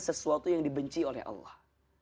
sesuatu yang dibenci oleh allah